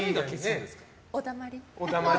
おだまり。